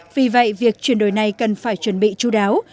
vì vậy việc chuyển đổi này cần phải chuẩn bị chú đáo